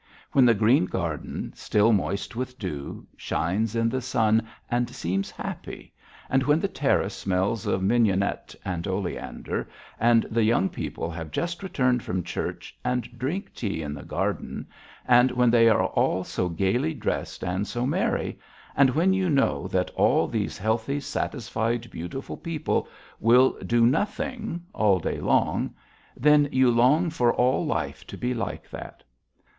When the green garden, still moist with dew, shines in the sun and seems happy, and when the terrace smells of mignonette and oleander, and the young people have just returned from church and drink tea in the garden, and when they are all so gaily dressed and so merry, and when you know that all these healthy, satisfied, beautiful people will do nothing all day long, then you long for all life to be like that.